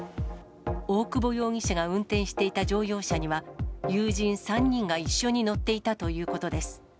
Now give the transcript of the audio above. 大久保容疑者が運転していた乗用車には、友人３人が一緒に乗っていたということです。